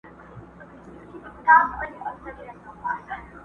څومره ترخه مي وه ګڼلې، څه آسانه سوله!!